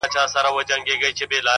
• ه یاره ولي چوپ یې مخکي داسي نه وې ـ